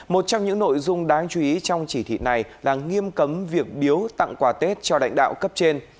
một trong những nội dung đáng chú ý trong chỉ thị này là nghiêm cấm việc biếu tặng quà tết cho lãnh đạo cấp trên